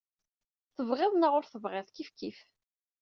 Tebɣiḍ neɣ ur tebɣiḍ, kifkif.